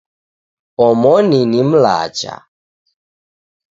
Omoni ni mlacha.